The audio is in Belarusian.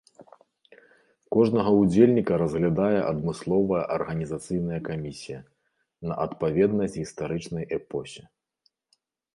Кожнага ўдзельніка разглядае адмысловая арганізацыйная камісія на адпаведнасць гістарычнай эпосе.